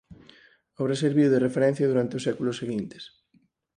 A obra serviu de referencia durante os séculos seguintes.